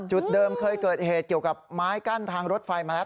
จุดเดิมเคยเกิดเหตุเกี่ยวกับไม้กั้นทางรถไฟมาแล้ว